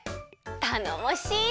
たのもしい！